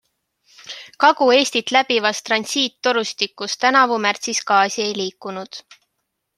Kagu-Eestit läbivas transiittorustikus tänavu märtsis gaasi ei liikunud.